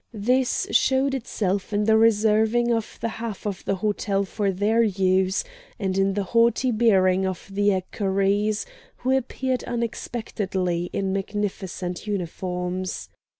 This showed itself in the reserving of the half of the hotel for their use, and in the haughty bearing of the equerries, who appeared unexpectedly in magnificent uniforms.